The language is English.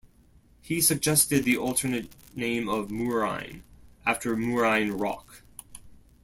He suggested the alternative name of Moorine, after Moorine Rock.